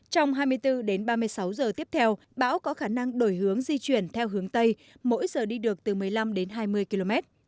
trong hai mươi bốn đến ba mươi sáu giờ tiếp theo bão có khả năng đổi hướng di chuyển theo hướng tây mỗi giờ đi được từ một mươi năm đến hai mươi km